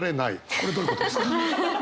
これどういうことですか？